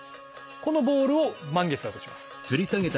このボールを満月だとします。